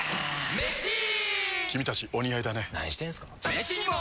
メシにも！